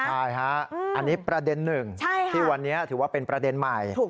ใช่ฮะอันนี้ประเด็นหนึ่งที่วันนี้ถือว่าเป็นประเด็นใหม่